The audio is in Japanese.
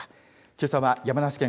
けさは山梨県